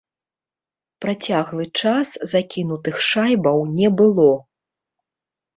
Працяглы час закінутых шайбаў не было.